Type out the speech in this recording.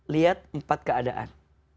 lihat empat keadaan